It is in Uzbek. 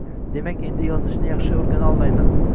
Demak, endi yozishni yaxshi o`rganolmayman